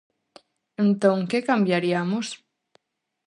Entón, que cambiariamos?